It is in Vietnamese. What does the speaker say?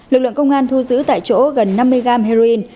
lực lượng công an thu giữ tại chỗ gần năm mươi gram heroin